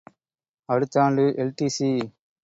அடுத்தாண்டு எல்.டி.சி.